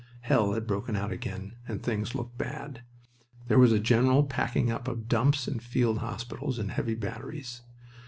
Hell had broken out again and things looked bad. There was a general packing up of dumps and field hospitals and heavy batteries.